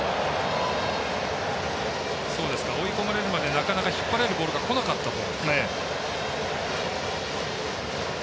追い込まれるまでなかなか引っ張れるボールがこなかったと。